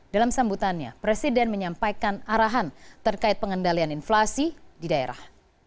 dalam sambutannya presiden menyampaikan arahan terkait pengendalian inflasi di daerah